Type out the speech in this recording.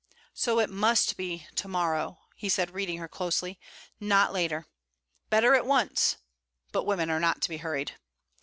'So it must be to morrow,' said he, reading her closely, 'not later. Better at once. But women are not to be hurried.'